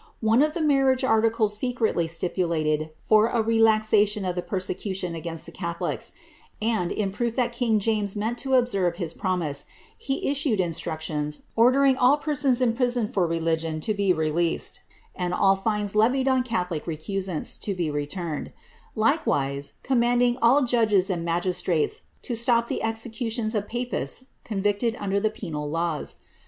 One of the mar riage articles secretly stipulated for a relaxation of the persecution against the catholics ; and, in proof that king James meant to observe his promise, he issued instructions, ordering all persons imprisoned for religion to be released, and all fines levied on catholic recusants (o be returned; likewise, commanding all judges and magistrates to stop the executions of papists convicted under the penal laws.